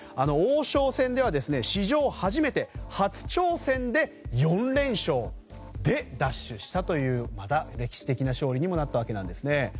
王将戦では史上初めて初挑戦で４連勝で奪取したという歴史的な勝利にもなったわけです。